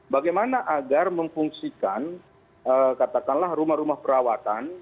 bagaimana agar memfungsikan katakanlah rumah rumah perawatan